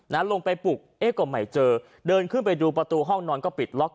ลงไปปลุกเอ๊ะก็ไม่เจอเดินขึ้นไปดูประตูห้องนอนก็ปิดล็อก